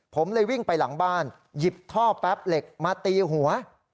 ผมเลยวิ่งไปหลังบ้านหยิบท่อแป๊บเหล็กมาตีหัว